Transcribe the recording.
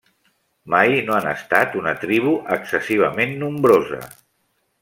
Mai no han estat una tribu excessivament nombrosa.